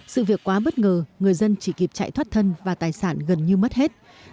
sự việc quá bất ngờ người dân chỉ kịp chạy thoát thân và tài sản gần như mất hết